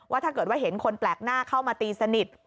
ถ้าเกิดว่าเห็นคนแปลกหน้าเข้ามาตีสนิท